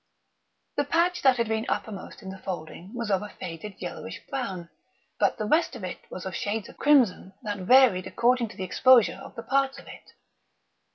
The patch that had been uppermost in the folding was of a faded yellowish brown; but the rest of it was of shades of crimson that varied according to the exposure of the parts of it.